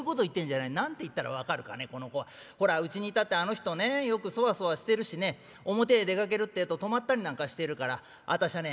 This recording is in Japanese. ほらうちにいたってあの人ねよくそわそわしてるしね表へ出かけるってえと泊まったりなんかしているからあたしゃね